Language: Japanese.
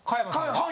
はい。